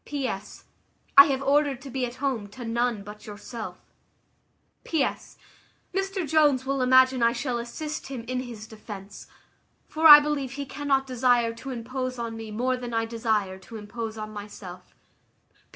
"P.S. I have ordered to be at home to none but yourself. "P.S. Mr Jones will imagine I shall assist him in his defence; for I believe he cannot desire to impose on me more than I desire to impose on myself.